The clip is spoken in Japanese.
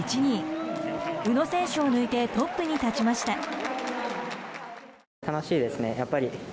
宇野選手を抜いてトップに立ちました。